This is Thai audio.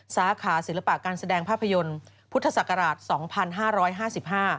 สาขาศิลปะการแสดงภาพยนตร์พุทธศักราช๒๕๕๕